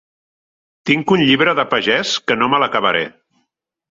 Tinc un llibre de pagès que no me l'acabaré.